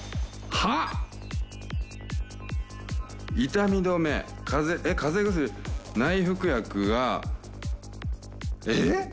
痛み止め風邪えっ風邪薬内服薬えっ？